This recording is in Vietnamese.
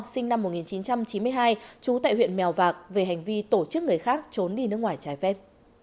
sinh năm một nghìn chín trăm chín mươi hai trú tại huyện mèo vạc về hành vi tổ chức người khác trốn đi nước ngoài trái phép